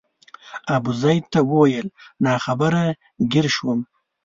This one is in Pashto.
ابوزید ته وویل ناخبره ګیر شوم.